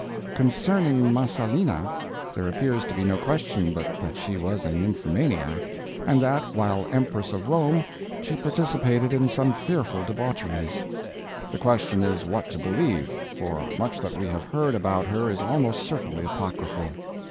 Concerning Messalina, there appears to be no question but that she was a nymphomaniac, and that, while Empress of Rome, she participated in some fearful debaucheries. The question is what to believe, for much that we have heard about her is almost certainly apocryphal.